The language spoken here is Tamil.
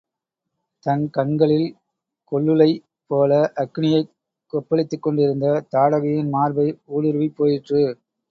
தன் கண்களில் கொல்லுலை போல அக்கினியைக் கொப்புளித்துக்கொண்டிருந்த தாடகையின் மார்பை ஊடுருவிப் போயிற்று.